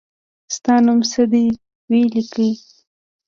ستا نوم څه دی وي لیکی